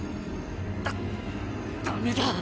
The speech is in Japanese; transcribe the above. だダメだ。